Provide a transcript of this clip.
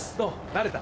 慣れた？